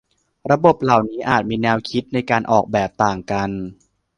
ระบบเหล่านี้อาจมีแนวคิดในการออกแบบต่างกัน